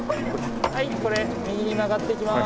はいこれ右に曲がっていきます。